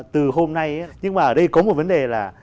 từ hôm nay nhưng mà ở đây có một vấn đề là